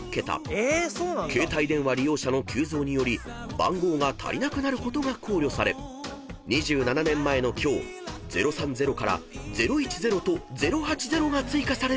［携帯電話利用者の急増により番号が足りなくなることが考慮され２７年前の今日「０３０」から「０１０」と「０８０」が追加されることが分かった］